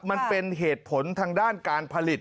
แอบมา